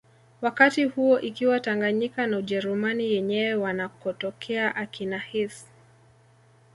Wakati huo ikiwa Tanganyika na Ujerumani yenyewe wanakotokea akina Hiss